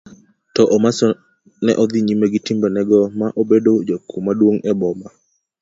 Tomaso ne odhi nyime gi timbe nego ma obedo jakuo maduong' e boma.